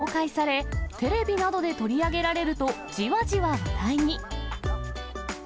この映像が警察のＳＮＳに公開され、テレビなどで取り上げられると、じわじわ話題に。